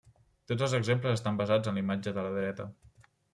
Tots els exemples estan basats en la imatge de la dreta.